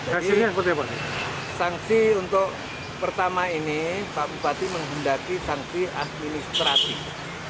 jadi sanksi untuk pertama ini pak bupati menghendaki sanksi administratif